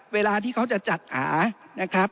เวลาที่เขาจะจัดหานะครับ